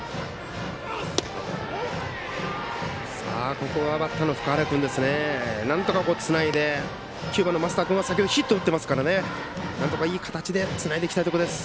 ここはバッターの福原君なんとか、つないで９番の升田君は先ほどヒット打ってますからなんとかいい形でつないでいきたいところです。